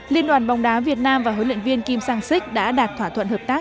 liên đoàn bóng đá việt nam và huấn luyện viên kim sang sik đã đạt thỏa thuận hợp tác